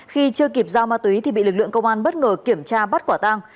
khi chưa kịp giao ma túy thì bị lực lượng công an bất ngờ kiểm tra bắt quả tăng